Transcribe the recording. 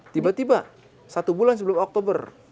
tiba tiba satu bulan sebelum oktober